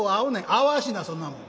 「合わしなそんなもん。